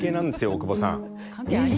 大久保さん